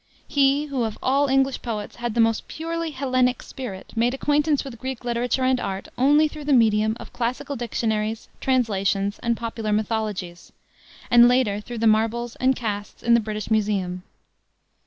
He, who of all English poets had the most purely Hellenic spirit, made acquaintance with Greek literature and art only through the medium of classical dictionaries, translations, and popular mythologies; and later through the marbles and casts in the British Museum.